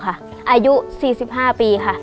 อายุ๔๕ปีค่ะ